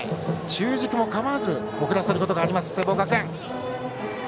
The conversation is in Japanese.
中軸も構わず送らせることがあります